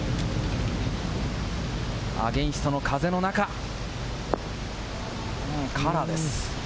アゲンストの風の中、カラーです。